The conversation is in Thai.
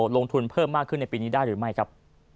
ลงทุนเพิ่มมากขึ้นในปีนี้ได้หรือไม่ครับ